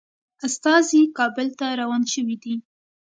استازي کابل ته روان شوي دي.